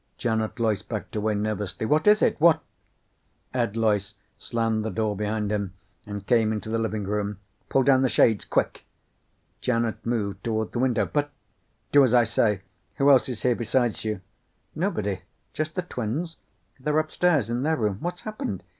Janet Loyce backed away nervously. "What is it? What " Ed Loyce slammed the door behind him and came into the living room. "Pull down the shades. Quick." Janet moved toward the window. "But " "Do as I say. Who else is here besides you?" "Nobody. Just the twins. They're upstairs in their room. What's happened?